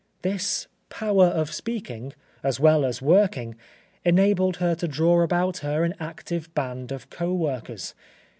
This power of speaking, as well as working, enabled her to draw about her an active band of co workers.